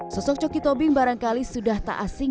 sosok coki tobing barangkali sudah tak asing